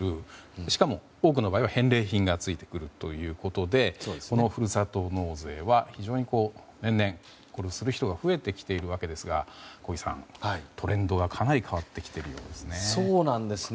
しかも多くの場合は返礼品がついてくるということでふるさと納税は非常に年々する人が増えているわけですが小木さん、トレンドがかなり変わってきているようですね。